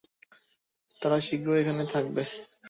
তারা শীঘ্রই এখানে থাকবে।